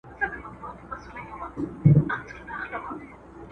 راغلی مه وای د وطن باده .